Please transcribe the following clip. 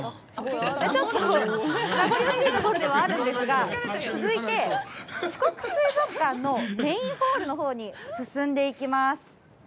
名残惜しいところではあるんですが、続いて、四国水族館のメインホールのほうに進んでいきます。